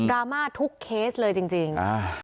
รามาทุกเคสเลยจริง